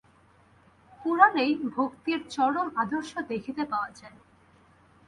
পুরাণেই ভক্তির চরম আদর্শ দেখিতে পাওয়া যায়।